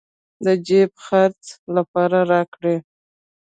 د جېب خرڅ لپاره راكړې.